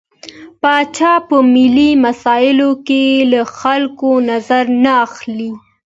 پاچا په ملي مسايلو کې له خلکو نظر نه اخلي.